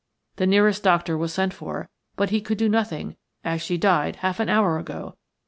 The nearest doctor was sent for, but he could do nothing, as she died half an hour ago.